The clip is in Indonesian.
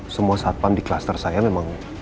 semua satpam di kluster saya memang